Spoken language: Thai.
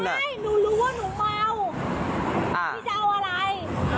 ไม่หนูรู้ว่าหนูเมา